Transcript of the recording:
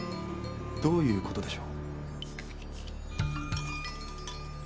どういうことでしょう？